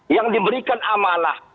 yang diberikan amanah